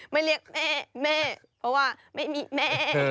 ไม่เรียกแม่แม่เพราะว่าไม่มีแม่